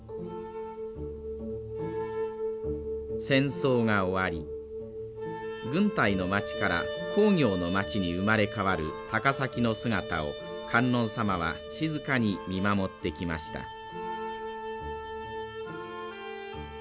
戦争が終わり軍隊の町から工業の町に生まれ変わる高崎の姿を観音様は静かに見守ってきました。